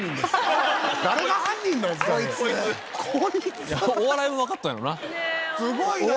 すごい。